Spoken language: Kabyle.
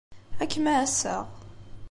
Ad kem-ɛasseɣ.